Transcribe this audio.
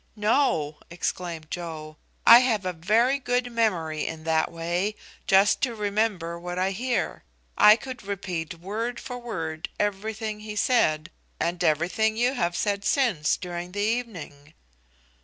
"No!" exclaimed Joe. "I have a very good memory, in that way, just to remember what I hear. I could repeat word for word everything he said, and everything you have said since during the evening."